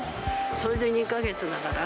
それで２か月だから。